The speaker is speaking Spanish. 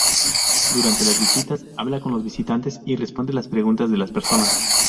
Durante las visitas, habla con los visitantes y responde las preguntas de las personas.